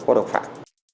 có độc phạm